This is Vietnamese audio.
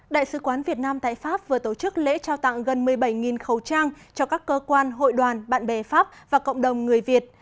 đại sứ quán việt nam tại pháp vừa tổ chức lễ trao tặng gần một mươi bảy khẩu trang cho các cơ quan hội đoàn bạn bè pháp và cộng đồng người việt